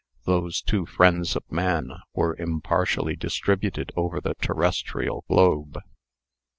Those two friends of man were impartially distributed over the terrestrial globe.